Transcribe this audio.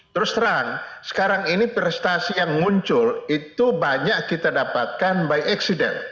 terus terang sekarang ini prestasi yang muncul itu banyak kita dapatkan by accident